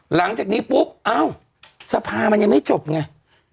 หลังจากนี้ปุ๊บเอ้าสภามันยังไม่จบไง